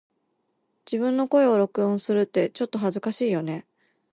自分の声を録音するってちょっと恥ずかしいよね🫣